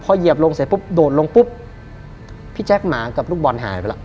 เหยียบลงเสร็จปุ๊บโดดลงปุ๊บพี่แจ๊คหมากับลูกบอลหายไปแล้ว